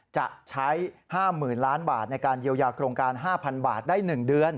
จะใช้๕๐๐๐ล้านบาทในการเยียวยาโครงการ๕๐๐๐บาทได้๑เดือน